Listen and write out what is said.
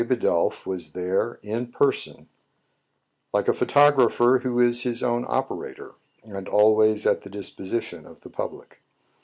Bidulph was there " in person," like a photographer who is his own operator, and always at the disposition of the public.